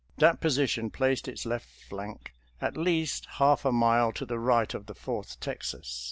That position placed its left flank at least half a mile to the right of the Fourth Texas.